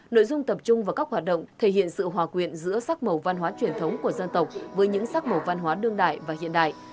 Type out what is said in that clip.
nội dung tập trung vào các hoạt động thể hiện sự hòa quyện giữa sắc màu văn hóa truyền thống của dân tộc với những sắc màu văn hóa đương đại và hiện đại